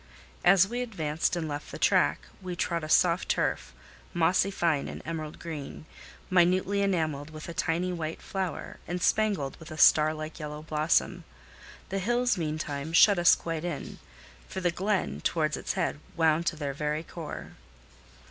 As we advanced and left the track, we trod a soft turf, mossy fine and emerald green, minutely enamelled with a tiny white flower, and spangled with a star like yellow blossom: the hills, meantime, shut us quite in; for the glen, towards its head, wound to their very core.